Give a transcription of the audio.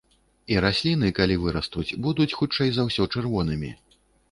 І расліны, калі вырастуць, будуць хутчэй за ўсё чырвонымі.